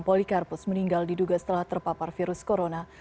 polikarpus meninggal diduga setelah terpapar virus corona